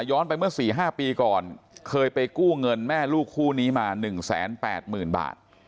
ย้อนไปเมื่อสี่ห้าปีก่อนเคยไปกู้เงินแม่ลูกคู่นี้มาหนึ่งแสนแปดหมื่นบาท